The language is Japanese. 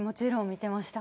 見てました